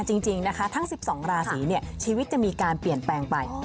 จริงนะคะทั้ง๑๒ราศีเนี่ยชีวิตจะมีการเปลี่ยนแปลงไป